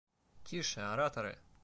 Тише, ораторы!